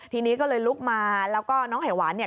ทีนี้ก็เลยลุกมาแล้วก็น้องไขหวานเนี่ย